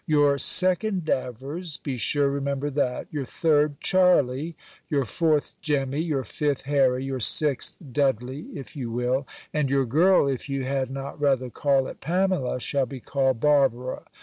Your second DAVERS; be sure remember that. Your third, CHARLEY; your fourth, JEMMY; your fifth, HARRY; your sixth DUDLEY, if you will and your girl, if you had not rather call it PAMELA, shall be called BARBARA.